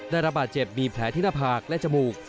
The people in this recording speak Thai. ระบาดเจ็บมีแผลที่หน้าผากและจมูก